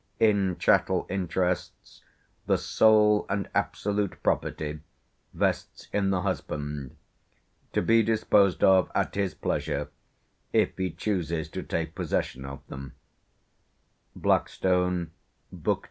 in chattel interests, the sole and absolute property vests in the husband, to be disposed of at his pleasure, if he chooses to take possession of them" (Blackstone, book ii.